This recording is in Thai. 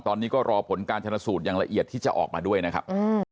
ตอนนี้ก็รอผลการชนสูตรอย่างละเอียดที่จะออกมาด้วยนะครับ